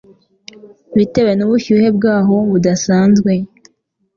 bitewe n'ubushyuhe bwaho budasanzwe.